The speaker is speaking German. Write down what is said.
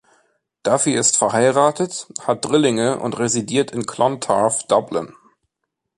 Duffy ist verheiratet, hat Drillinge und residiert in Clontarf, Dublin.